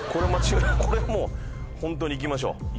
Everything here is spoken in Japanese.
これもうホントに行きましょう。